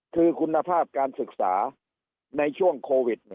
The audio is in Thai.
คือคุณภาพการศึกษาในช่วงโควิด